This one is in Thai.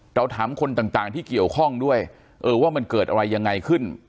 เราถามคนต่างที่เกี่ยวข้องด้วยเออว่ามันเกิดอะไรยังไงขึ้น